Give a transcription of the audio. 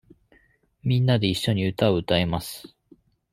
みんなでいっしょに歌を歌います。